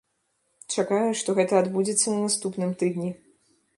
Чакаю, што гэта адбудзецца на наступным тыдні.